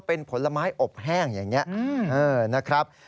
เป็นผลไม้อบแห้งอย่างนี้นะครับ